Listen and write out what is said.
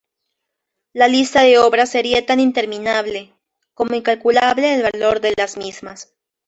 La lista de obras sería tan interminable, como incalculable el valor de las mismas.